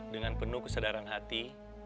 dengan penuh kesadaran hati